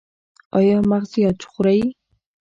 ایا مغزيات خورئ؟